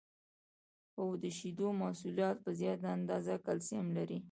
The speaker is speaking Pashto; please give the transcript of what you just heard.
هو د شیدو محصولات په زیاته اندازه کلسیم لري